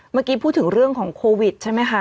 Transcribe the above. เมื่อกี้พูดถึงเรื่องของโควิดใช่ไหมคะ